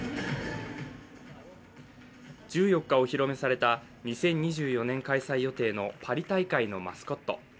１４日、お披露目された２０２４年開催予定のパリ大会のマスコット。